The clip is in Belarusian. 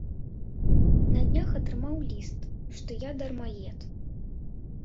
На днях атрымаў ліст, што я дармаед.